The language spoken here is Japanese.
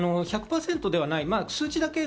１００％ではない。